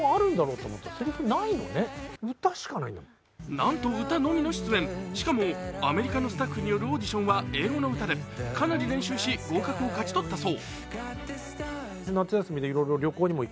しかしなんと歌のみの出演しかもアメリカのスタッフによるオーディションは英語の歌で、かなり練習し合格を勝ち取ったそう。